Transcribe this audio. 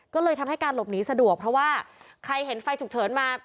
ก็เลยทำให้การหลบหนีสะดวกเพราะว่าใครเห็นไฟฉุกเฉินมา